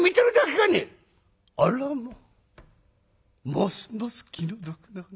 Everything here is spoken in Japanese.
ますます気の毒な話。